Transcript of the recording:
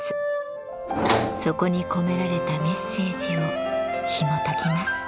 そこに込められたメッセージをひもときます。